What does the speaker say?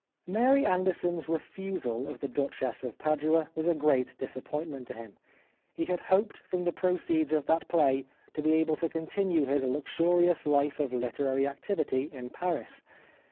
Mary Anderson's refusal of the '' Duchess of Padua '* was a great disappointment to him. He had hoped from the proceeds of that play to be able to continue his luxurious life of literary activity in Paris.